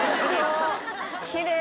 きれい。